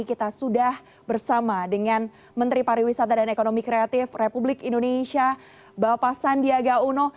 kita sudah bersama dengan menteri pariwisata dan ekonomi kreatif republik indonesia bapak sandiaga uno